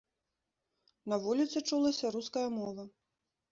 На вуліцы чулася руская мова.